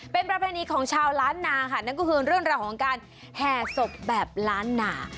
เป็นประเพณีของชาวล้านนาค่ะนั่นก็คือเรื่องราวของการแห่ศพแบบล้านหนา